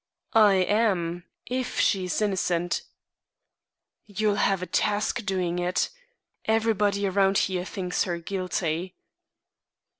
"I am if she is innocent." "You'll have a task doing it. Everybody around here thinks her guilty."